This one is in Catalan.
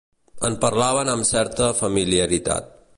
En parlaven amb certa familiaritat.